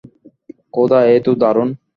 খোদা, এ তো দারুণ।